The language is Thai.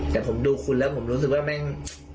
แต่ผมดูคุณแล้วผมรู้สึกว่าแม่ง